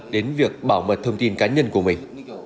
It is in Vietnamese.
đến việc bảo mật thông tin cá nhân của mình